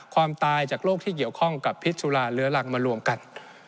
ความตายจากโลกที่เกี่ยวข้องกับผิดจุฬาศาสตร์เหลือหลังมาร่วมกัน